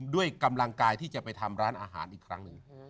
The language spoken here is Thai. ด้วยกำลังกายที่จะไปทำร้านอาหารอีกครั้งหนึ่ง